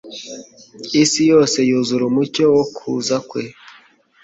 Isi yose yuzura umucyo wo kuza Kwe